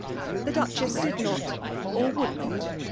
The Duchess did not^. or wQuld not